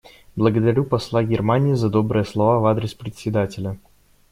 Благодарю посла Германии за добрые слова в адрес Председателя.